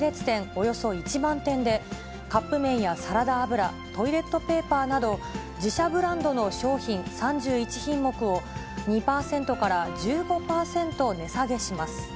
およそ１万店で、カップ麺やサラダ油、トイレットペーパーなど、自社ブランドの商品３１品目を、２％から１５％値下げします。